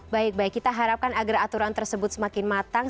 baik baik kita harapkan agar aturan tersebut semakin matang